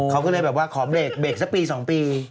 เขาก็เลยแบบว่าขอเบรกเบรกสักปี๒ปี